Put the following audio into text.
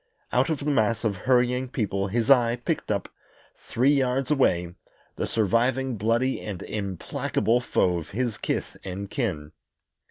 Out of the mass of hurrying people his eye picked up, three yards away, the surviving bloody and implacable foe of his kith and kin.